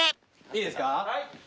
いいですか？